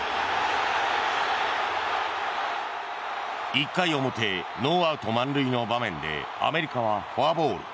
１回表、ノーアウト満塁の場面でアメリカはフォアボール。